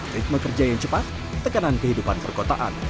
ritme kerja yang cepat tekanan kehidupan perkotaan